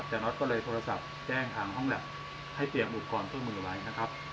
น็อตก็เลยโทรศัพท์แจ้งทางห้องแล็บให้เตรียมอุปกรณ์เครื่องมือไว้นะครับ